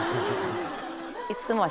いつもは。